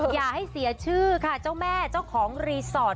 อย่าให้เสียชื่อค่ะเจ้าแม่เจ้าของรีสอร์ท